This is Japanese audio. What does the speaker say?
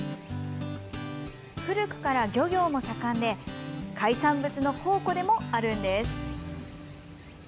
古くから漁業も盛んで海産物の宝庫でもあるんです。